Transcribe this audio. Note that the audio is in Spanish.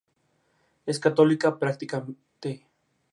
Es católica practicante.